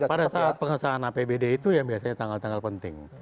pada saat pengesahan apbd itu yang biasanya tanggal tanggal penting